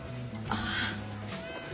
ああ。